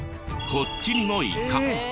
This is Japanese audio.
こっちにもイカ。